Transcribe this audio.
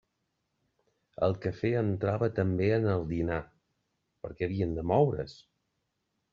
El cafè entrava també en el dinar; per què havien de moure's?